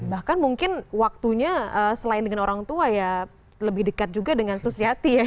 bahkan mungkin waktunya selain dengan orang tua ya lebih dekat juga dengan susiati ya